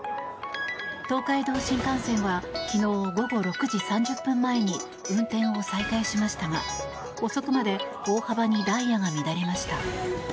東海道新幹線は昨日午後６時３０分前に運転を再開しましたが遅くまで大幅にダイヤが乱れました。